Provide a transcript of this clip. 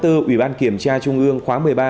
ủy ban kiểm tra trung ương khóa một mươi ba